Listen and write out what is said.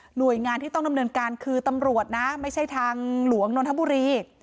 หน่วยงานที่ต้องดำเนินการคือตำรวจนะไม่ใช่ทางหลวงนนทบุรี